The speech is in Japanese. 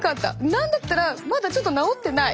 何だったらまだちょっと治ってない。